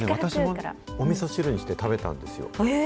おみそ汁にして食べたんですよ。